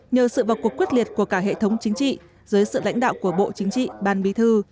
nhờ sự vào cuộc quyết liệt của cả hệ thống chính trị dưới sự lãnh đạo của bộ chính trị ban bí thư